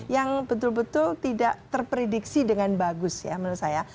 yang betul betul tidak terprediksi dengan bagus ya menurut saya